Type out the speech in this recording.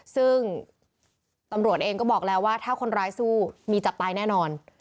ซึ่งตำรวจเองก็บอกแล้วว่าถ้าคนร้ายสู้มีจับตายแน่นอน